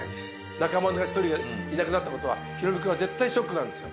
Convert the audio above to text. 仲間の１人がいなくなったことはヒロミ君は絶対ショックなんですよ。